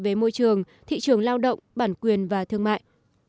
về môi trường thị trường lao động bản quyền và thương mại